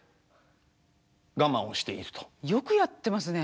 よくやってますね。